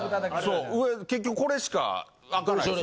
そう結局これしか開かないでしょ？